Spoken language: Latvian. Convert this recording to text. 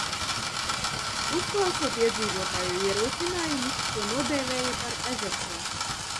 "Uzklausot iedzīvotāju ierosinājumus, to nodēvēja par "Ezerkrastu"."